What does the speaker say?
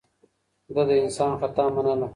ده د انسان خطا منله.